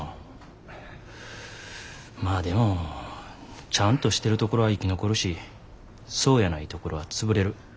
まあでもちゃんとしてるところは生き残るしそうやないところは潰れる。